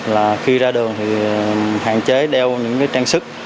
là khi ra đường thì hạn chế đeo những trang sức